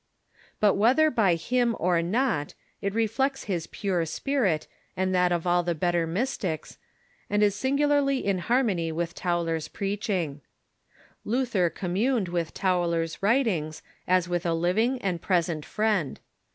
But whether by him or not, it reflects his pure sj)irit, and that of all the better Mys tics, and is singularly in harmony with Tauler's preaching. Luther communed with Tauler's writings as with a living and present friend.